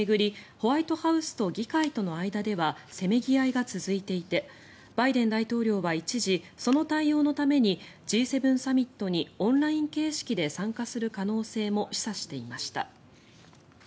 ホワイトハウスと議会との間ではせめぎ合いが続いていてバイデン大統領は一時その対応のためにＧ７サミットにオンライン形式で参加する可能性も示唆していました。